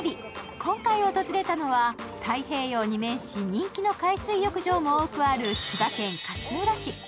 今回訪れたのは太平洋に面し、人気の海水浴場も多くある千葉県勝浦市。